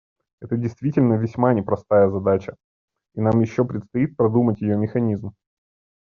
Это действительно весьма непростая задача, и нам еще предстоит продумать ее механизм.